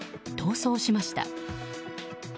逃走しました。